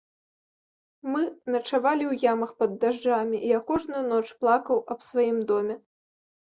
Мы начавалі ў ямах пад дажджамі, і я кожную ноч плакаў аб сваім доме.